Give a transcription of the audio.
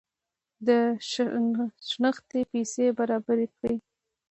د شنختې پیسې برابري کړي.